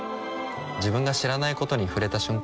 自分が知らないことに触れた瞬間